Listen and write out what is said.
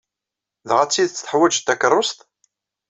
Dɣa d tidet teḥwajeḍ takeṛṛust?